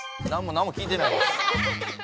何も聞いてないよ。